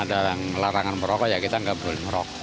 memang ada larangan merokok ya kita nggak boleh merokok